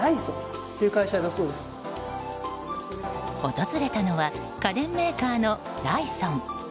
訪れたのは家電メーカーのライソン。